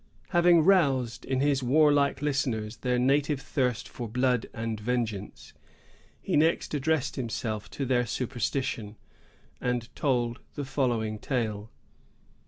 Having roused in his warlike listeners their native thirst for blood and vengeance, he next addressed himself to their superstition, and told the following tale.